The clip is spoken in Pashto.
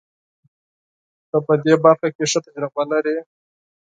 ته په دې برخه کې ښه تجربه لرې.